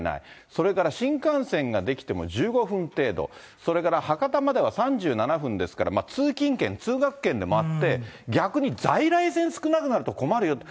それから新幹線が出来ても１５分程度、それから博多までは３７分ですから、通勤圏、通学圏でもあって、逆に在来線少なくなると困るよって。